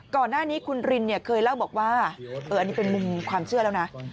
ก่อนหน้านี้คุณรินเคยเล่าบอกว่าอันนี้เป็นมุมความเชื่อแล้วนะ